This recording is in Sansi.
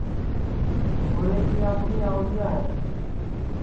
چھورے کِیاں آنکھیں آؤڑِیاں ہے